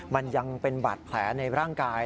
มันยังเป็นบาดแผลในร่างกาย